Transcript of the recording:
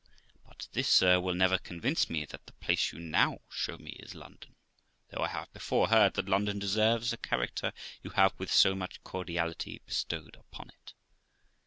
'But this, sir, will never convince me that the place you now show me is London, though I have before heard that London deserves the character you have with so much cordiality bestowed upon it.